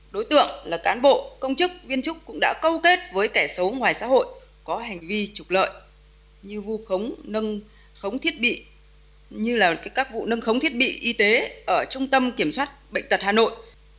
đối tượng là cán bộ công chức viên chức cũng đã câu kết với kẻ xấu ngoài xã hội có hành vi trục lợi như các vụ nâng khống thiết bị y tế ở trung tâm kiểm soát bệnh tật hà nội